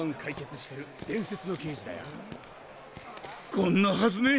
こんなはずねえ！